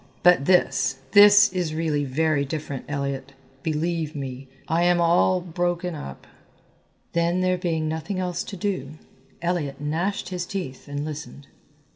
"But this, this is really very different. Elliott, believe me, I am all broken up." Then there being nothing else to do, Elliott gnashed his teeth and listened.